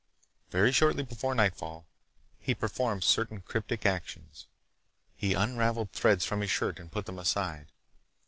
Very shortly before nightfall he performed certain cryptic actions. He unraveled threads from his shirt and put them aside.